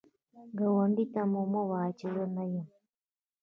ګاونډي ته مه وایی چې زه نه یم